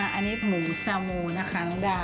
อันนี้หมูซามูนะคะน้องดา